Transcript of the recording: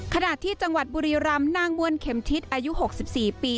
ขณะที่จังหวัดบุรีรำนางบวนเข็มทิศอายุ๖๔ปี